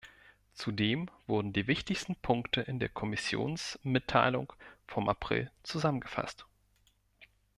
Zudem wurden die wichtigsten Punkte in der Kommissionsmitteilung vom April zusammengefasst.